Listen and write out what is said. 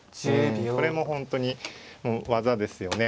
これも本当に技ですよね。